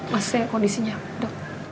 masih kondisinya dok